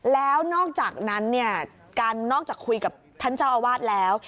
แล้วนอกจากนั้นเนี่ยการนอกจากคุยกับท่านเจ้าอาวาสแล้ว